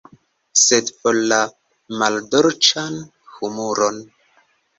Sed for la maldolĉan humuron!